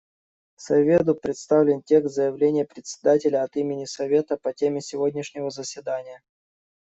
Совету представлен текст заявления Председателя от имени Совета по теме сегодняшнего заседания.